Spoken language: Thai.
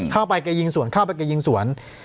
แกยิงสวนเข้าไปแกยิงสวน